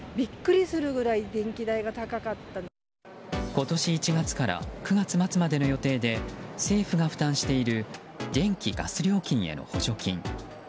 今年１月から９月末までの予定で政府が負担している電気・ガス料金への補助金。